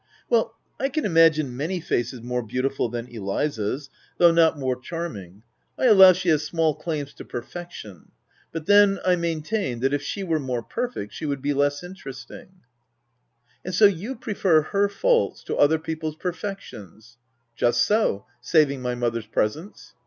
" Well, I can imagine many faces more beau tiful than Eliza's, though not more charming. I allow she has small claims to perfection ; but then, I maintain that, if she were more perfect, she would be less interesting." 18 THE TENANT " And so you prefer her faults to other peo ple's perfections ?" u Just so — saving my mother's presence."